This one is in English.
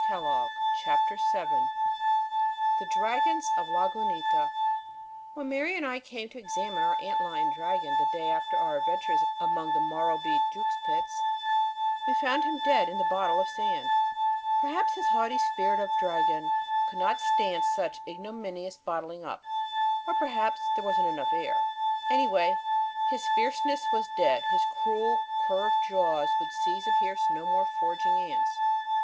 [Illustration: THE DRAGON OF LAGUNITA] THE DRAGON OF LAGUNITA When Mary and I came to examine our ant lion dragon the day after our adventures among the Morrowbie Jukes pits, we found him dead in the bottle of sand. Perhaps his haughty spirit of dragon could not stand such ignominious bottling up, or perhaps there wasn't enough air. Anyway, His Fierceness was dead. His cruel curved jaws would seize and pierce no more foraging ants.